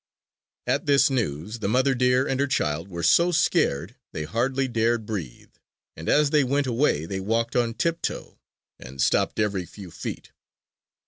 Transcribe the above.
At this news the mother deer and her child were so scared they hardly dared breathe; and as they went away they walked on tiptoe, and stopped every few feet.